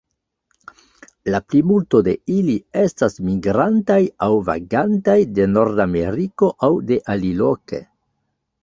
La plimulto de ili estas migrantaj aŭ vagantaj de Nordameriko aŭ de aliloke.